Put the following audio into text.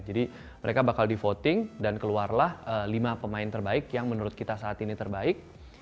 jadi mereka bakal di voting dan keluarlah lima pemain terbaik yang menurut kita saat ini terbaik